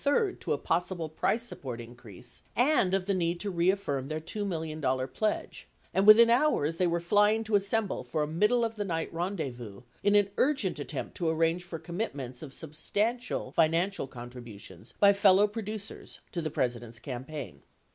643 to a possible price support increase and of the need to reaffirm their $2 million pledge, and within hours they were flying to assemble for a middle of the night rendezvous in an urgent attempt to arrange for commitments of substantial financial contributions by fellow producers to the President's campaign.